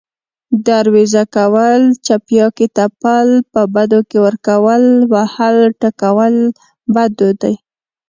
دروېزه کول، څپياکې تپل، په بدو کې ورکول، وهل، ټکول بد دود دی